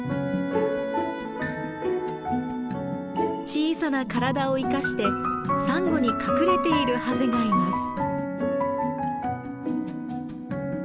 小さな体を生かしてサンゴに隠れているハゼがいます。